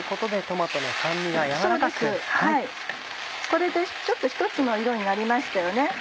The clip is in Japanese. これでちょっと１つの色になりましたよね。